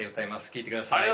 聴いてください。